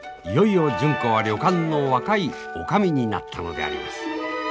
いよいよ純子は旅館の若い女将になったのであります。